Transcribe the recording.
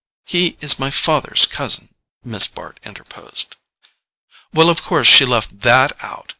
"He is my father's cousin," Miss Bart interposed. "Well, of course she left THAT out.